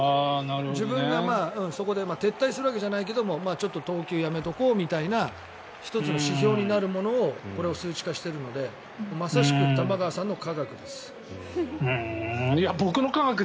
自分がそこで撤退するわけじゃないけどちょっと投球をやめておこうみたいな１つの指標になるものを数値化しているのでまさしく玉川さんの科学です。